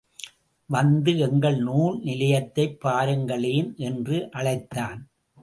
வந்து எங்கள் நூல் நிலையத்தைப் பாருங்களேன் என்று அழைத்தான்.